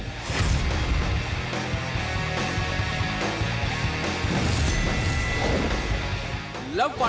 มูลตาสันวิทยามาก